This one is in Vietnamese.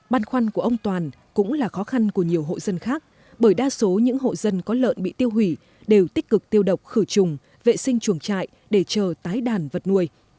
băn khoăn của ông toàn cũng là khó khăn của nhiều hộ dân khác bởi đa số những hộ dân có lợn bị tiêu hủy đều tích cực tiêu độc khử trùng vệ sinh chuồng trại để chờ tái đàn vật nuôi